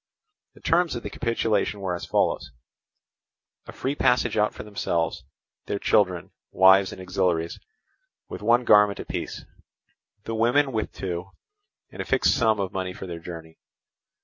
The terms of the capitulation were as follows: a free passage out for themselves, their children, wives and auxiliaries, with one garment apiece, the women with two, and a fixed sum of money for their journey.